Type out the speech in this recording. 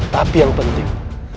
tapi yang penting